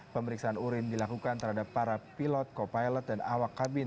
pemeriksaan urin dilakukan terhadap para pilot co pilot dan awak kabin